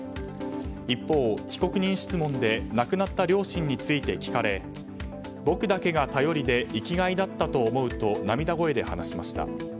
一方、被告人質問で亡くなった両親について聞かれ僕だけが頼りで生きがいだったと思うと涙声で話しました。